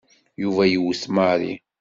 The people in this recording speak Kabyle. Yuba yewwet Mary.